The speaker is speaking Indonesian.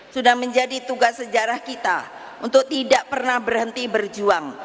sudah menjadi tugas sejarah kita untuk tidak pernah berhenti berjuang